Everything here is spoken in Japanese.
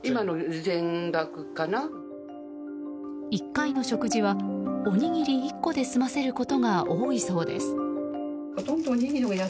１回の食事は、おにぎり１個で済ませることが多いそうです。